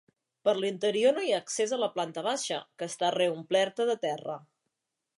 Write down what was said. Per l'interior no hi ha accés a la planta baixa, que està reomplerta de terra.